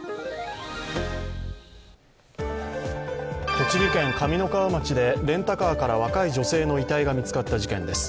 栃木県上三川町でレンタカーから若い女性の遺体が見つかった事件です。